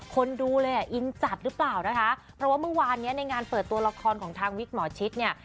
คนดูเลยอ่ะอินจัดหรือเปล่านะคะเพราะว่าเมื่อวานเนี้ยในงานเปิดตัวละครของทางวิกหมอชิดเนี่ย